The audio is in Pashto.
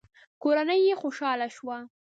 کورنۍ يې خوشاله شوه.